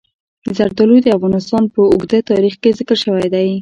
زردالو د افغانستان په اوږده تاریخ کې ذکر شوی دی.